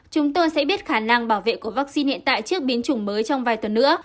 chúng tôi sẽ biết khả năng bảo vệ của vaccine hiện tại trước biến chủng mới trong vài tuần nữa